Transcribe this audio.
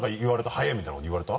「速い！」みたいなこと言われた？